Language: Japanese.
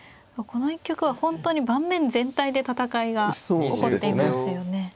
この一局は本当に盤面全体で戦いが起こっていますよね。